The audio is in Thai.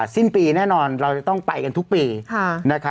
สิ้นปีแน่นอนเราจะต้องไปกันทุกปี